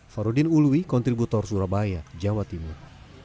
farudin uluwi kontributor surabaya jawa timur